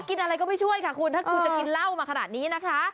กินอะไรก็ไม่ช่วยค่ะคุณถ้าคุณจะกินเหล้ามาขนาดนี้นะคะ